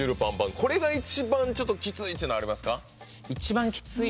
これが一番きついっていうのはありますか？